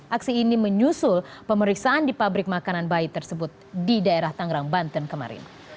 aksi ini menyusul pemeriksaan di pabrik makanan bayi tersebut di daerah tangerang banten kemarin